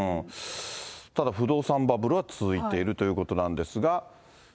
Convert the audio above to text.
ただ、不動産バブルは続いているということなんですが。